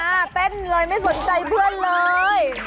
เต้นเลยไม่สนใจเพื่อนเลย